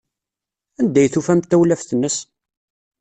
Anda ay tufamt tawlaft-nnes?